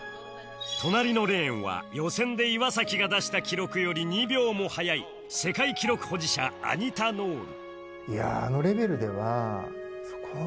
隣のレーンは予選で岩崎が出した記録より２秒も速い世界記録保持者アニタ・ノール